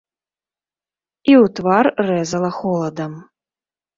І ў твар рэзала холадам.